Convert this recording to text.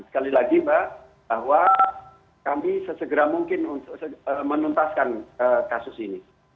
sekali lagi mbak bahwa kami sesegera mungkin untuk menuntaskan kasus ini